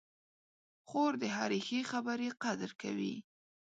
خور د هرې ښې خبرې قدر کوي.